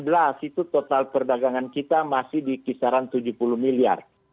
tahun dua ribu delapan belas itu total perdagangan kita masih di kisaran tujuh puluh miliar